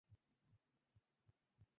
তার নিকট তিনি অবতরণ করতেন বিভিন্ন রূপে।